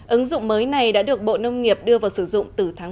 ứng dụng mới này đã được bộ nông nghiệp đưa vào sử dụng từ tháng năm